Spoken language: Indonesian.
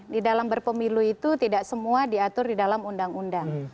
di dalam berpemilu itu tidak semua diatur di dalam undang undang